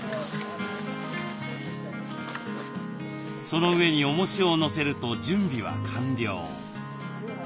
その上におもしを載せると準備は完了。